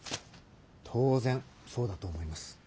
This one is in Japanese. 当然そうだと思います。